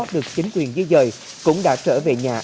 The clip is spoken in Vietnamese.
được chính quyền dây dây